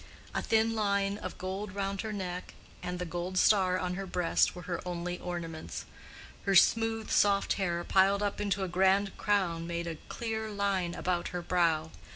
A thin line of gold round her neck, and the gold star on her breast, were her only ornaments. Her smooth soft hair piled up into a grand crown made a clear line about her brow.